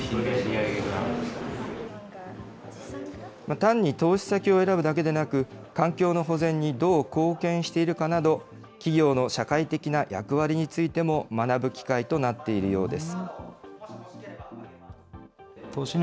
単に投資先を選ぶだけでなく、環境の保全にどう貢献しているかなど、企業の社会的な役割についても学ぶ機会となっているようです。